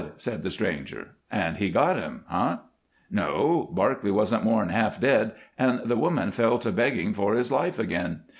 said the stranger. "And he got him, eh?" "No! Barclay wasn't more 'n half dead, and the woman fell to beggin' for his life again.